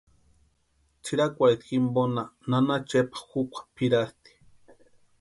Tsʼirakwarhita jimponha nana Chepa jukwa pʼirasti.